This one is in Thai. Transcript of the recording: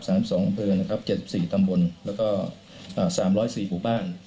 ๓๒อำเภอนะครับ๗๔ตำบลแล้วก็๓๐๔บุบ้าน